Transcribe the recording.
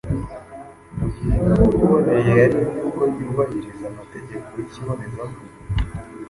mu gihe imvugo iboneye ari imvugo yubahiriza amategeko y’ikibonezamvugo